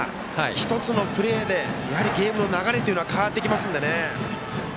１つのプレーでやはりゲームの流れというのは変わってきますのでね。